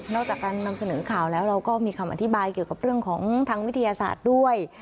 จากการนำเสนอข่าวแล้วเราก็มีคำอธิบายเกี่ยวกับเรื่องของทางวิทยาศาสตร์ด้วย